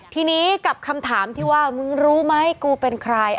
ทีนี้กับคำถามที่ว่ามึงรู้ไหมกูเป็นใคร